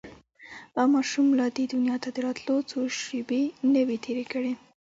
دا ماشوم لا دې دنيا ته د راتلو څو شېبې نه وې تېرې کړې.